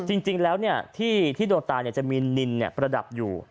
จริงจริงแล้วเนี่ยที่ที่ดวงตาเนี่ยจะมีนินเนี่ยประดับอยู่